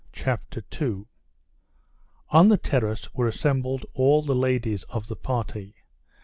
Chapter 2 On the terrace were assembled all the ladies of the party.